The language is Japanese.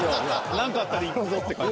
何かあったら行くぞって感じ。